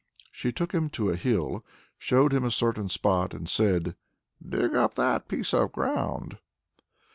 She took him to a hill, showed him a certain spot, and said: "Dig up that piece of ground."